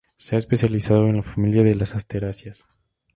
Se ha especializado en la familia de las asteráceas.